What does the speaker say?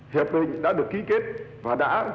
hiệp định đã được ký kết và đã ghi rõ là mỹ